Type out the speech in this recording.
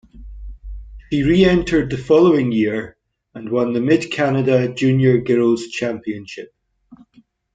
She re-entered the following year and won the Mid-Canada Junior Girls Championship.